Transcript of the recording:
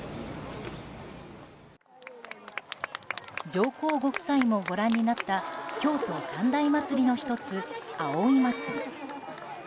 上皇ご夫妻もご覧になった京都三大祭の１つ、葵祭。